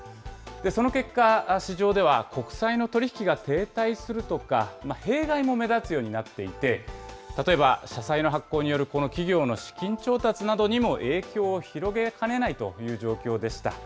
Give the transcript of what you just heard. その結果、市場では国債の取り引きが停滞するとか、弊害も目立つようになっていて、例えば、社債の発行による企業の資金調達などにも影響を広げかねないという状況でした。